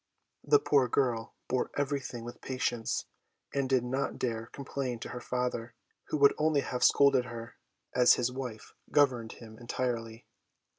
The poor girl bore everything with patience, and did not dare complain to her father, who would only have scolded her, as his wife governed him entirely.